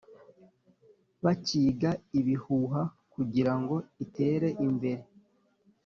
Bakiga ibihuha kugira ngo itere imbere